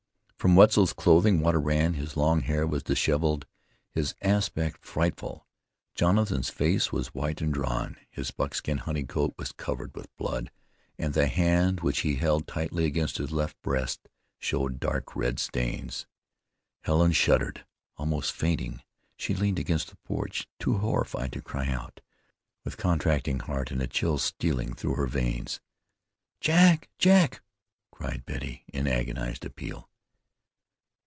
From Wetzel's clothing water ran, his long hair was disheveled, his aspect frightful. Jonathan's face was white and drawn. His buckskin hunting coat was covered with blood, and the hand which he held tightly against his left breast showed dark red stains. Helen shuddered. Almost fainting, she leaned against the porch, too horrified to cry out, with contracting heart and a chill stealing through her veins. "Jack! Jack!" cried Betty, in agonized appeal.